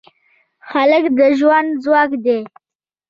هلک د ژوند ځواک دی.